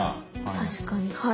確かにはい。